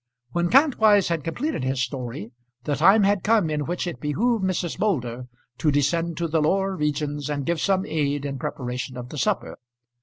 When Kantwise had completed his story, the time had come in which it behoved Mrs. Moulder to descend to the lower regions, and give some aid in preparation of the supper.